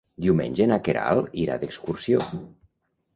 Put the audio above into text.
Diumenge na Queralt irà d'excursió.